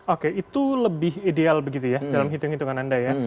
oke itu lebih ideal begitu ya dalam hitung hitungan anda ya